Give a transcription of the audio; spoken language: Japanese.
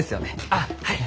あっはい。